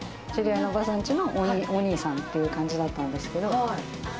知り合いのおばさんちのお兄さんっていう感じだったんですけど。